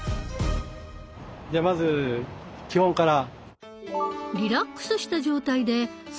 じゃあまず基本から。